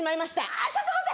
あちょっと待って！